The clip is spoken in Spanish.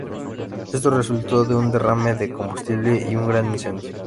Esto resultó en un derrame de combustible y un gran incendio.